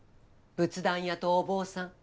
仏壇屋とお坊さん